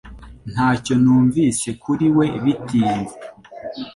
Ntacyo numvise kuri we bitinze